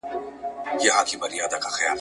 د ُملا په څېر به ژاړو له اسمانه !.